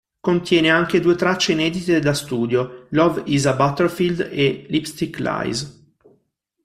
Contiene anche due tracce inedite da studio, "Love Is a Battlefield" e "Lipstick Lies".